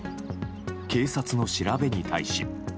警察の調べに対し。